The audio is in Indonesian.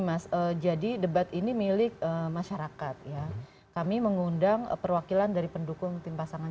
mas jadi debat ini milik masyarakat ya kami mengundang perwakilan dari pendukung tim pasangan